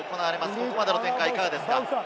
ここまでの展開いかがですか？